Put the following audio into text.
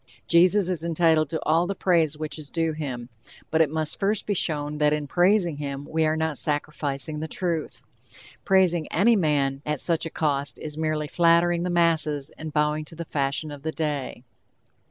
Jesus is entitled to all the praise which is due him, but it must first be shown that in praising him we are not sacrificing the truth. Praising any man at such a cost is merely flattering the masses and bowing to the fashion of the day.